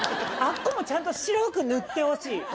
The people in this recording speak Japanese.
あっこもちゃんと白く塗ってほしい。